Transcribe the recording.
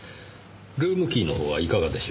ルームキーのほうはいかがでしょう？